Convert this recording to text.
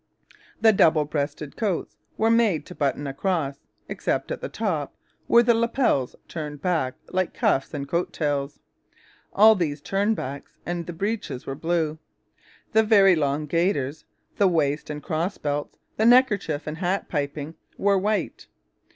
The double breasted coats were made to button across, except at the top, where the lapels turned back, like the cuffs and coat tails. All these 'turnbacks' and the breeches were blue. The very long gaiters, the waist and cross belts, the neckerchief and hat piping were white.